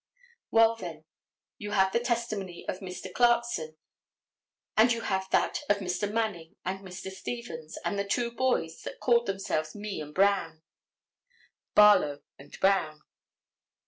Well, then, you have the testimony of Mr. Clarkson and you have that of Mr. Manning and Mr. Stevens and the two boys that called themselves "Me and Brown," Barlowe and Brown.